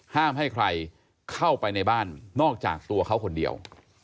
ห้ามให้ใครเข้าไปในบ้านนอกจากตัวเขาคนเดียว